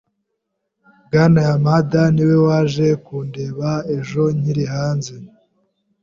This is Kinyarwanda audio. Bwana Yamada niwe waje kundeba ejo nkiri hanze?